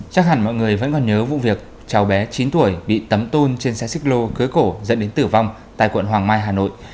chắc hẳn mọi người vẫn còn nhớ vụ việc cháu bé chín tuổi bị tấm tôn trên xe xích lô cưới cổ dẫn đến tử vong tại quận hoàng mai hà nội